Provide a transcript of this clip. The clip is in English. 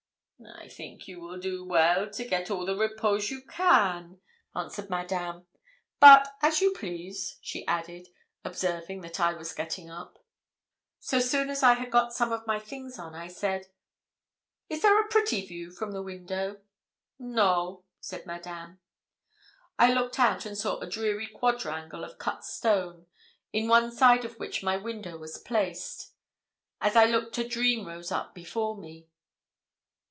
'I think you will do well to get all the repose you can,' answered Madame; 'but as you please,' she added, observing that I was getting up. So soon as I had got some of my things on, I said 'Is there a pretty view from the window?' 'No,' said Madame. I looked out and saw a dreary quadrangle of cut stone, in one side of which my window was placed. As I looked a dream rose up before me.